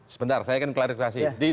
sebentar saya ingin klarifikasi